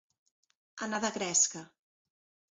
Anar de gresca.